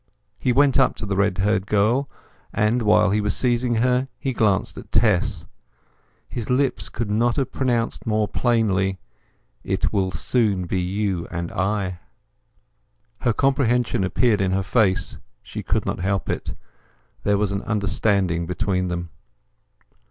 He went up to the red haired girl, and while he was seizing her he glanced at Tess. His lips could not have pronounced more plainly, "It will soon be you and I." Her comprehension appeared in her face; she could not help it. There was an understanding between them.